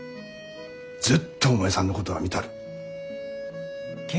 ずっとお前さんのことは見たる。